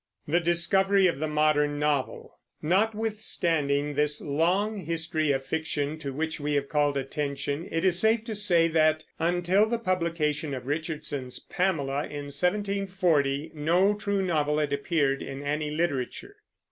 THE DISCOVERY OF THE MODERN NOVEL. Notwithstanding this long history of fiction, to which we have called attention, it is safe to say that, until the publication of Richardson's Pamela in 1740, no true novel had appeared in any literature.